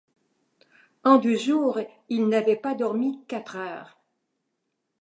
En deux jours, il n’avait pas dormi quatre heures.